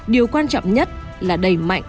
điều quan trọng nhất là đẩy mạnh